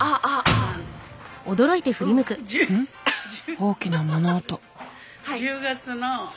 大きな物音。